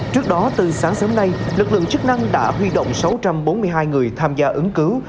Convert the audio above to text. trước đó từ sáng sớm nay lực lượng chức năng đã huy động sáu trăm bốn mươi hai người tham gia ứng cứu